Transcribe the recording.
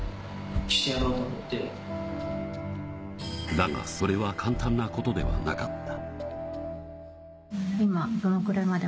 だが、それは簡単なことではなかった。